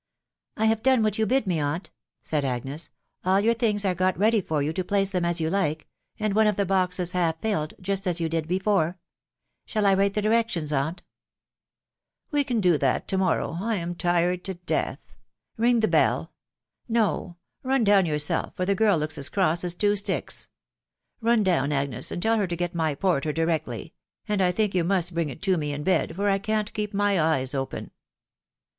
" I have done what you bid me, aunt," said Agnes ;" all your things are got ready for you to place them as you like, and one of the boxes half filled, just as you did before* •.. Shall I write the directions, aunt ?"" We can do that to morrow .... I am tired to death. King the bell. •.. No — run down yourself, for the girl looks as cross as two sticks ••.. run down, Agnes, and tell her to get my porter directly ; and I think you must bring it to me in bed, for I can't keep my eyes open."